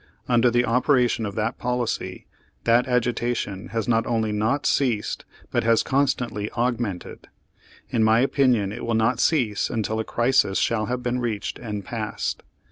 Under the opera tion of that policy, that agitation has not only not ceased, but has constantly augmented. In my opinion it will not cease until a crisis shall have been reached and passed.